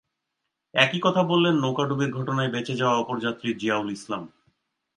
একই কথা বললেন নৌকা ডুবির ঘটনায় বেঁচে যাওয়া অপরযাত্রী জিয়াউল ইসলাম।